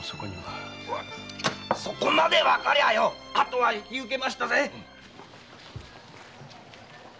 そこまで判りゃああとは引き受けましたぜ！